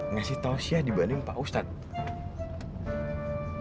ngasih tausiah dibanding pak ustadz